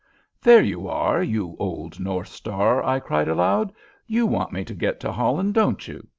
"There you are, you old North Star!" I cried, aloud. "You want me to get to Holland, don't you?